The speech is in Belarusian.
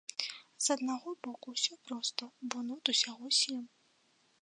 З аднаго боку, усё проста, бо нот усяго сем.